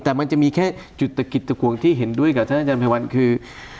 แต่มันจะมีแค่จุดกิจกวงที่เห็นด้วยกับท่านท่านจันทร์พระวัลคือ